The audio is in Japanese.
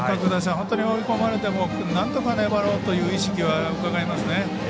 本当に追い込まれてもなんとか粘ろうという意識はうかがえますね。